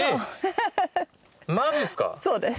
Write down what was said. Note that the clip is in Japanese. そうです。